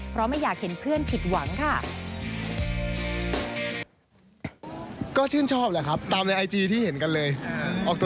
เพราะไม่อยากเห็นเพื่อนผิดหวังค่ะ